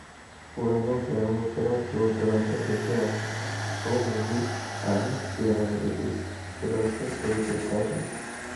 পুরোনো গ্রাহকেরা দূরদূরান্ত থেকে এখনো ফটো মুভি অ্যান্ড স্টিলসে ছবি তুলতে আসেন।